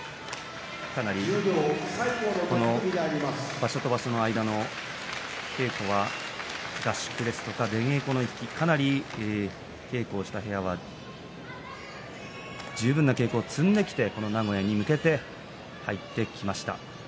場所と場所の間の稽古は合宿ですとか出稽古でかなり稽古をした部屋が十分な稽古を積んできて名古屋に入ってきました。